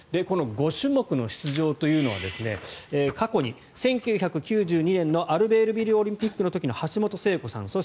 この５種目の出場というのは過去に１９９２年のアルベールビルオリンピックの橋本聖子さん。